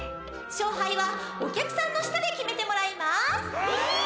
しょうはいはお客さんの舌で決めてもらいます！